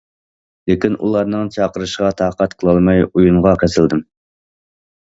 لېكىن ئۇلارنىڭ چاقىرىشلىرىغا تاقەت قىلالماي ئويۇنغا قېتىلدىم.